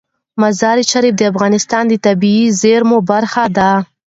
مزارشریف د افغانستان د طبیعي زیرمو برخه ده.